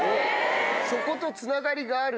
そことつながりがあるのが。